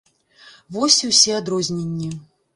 Вось і ўсе адрозненні.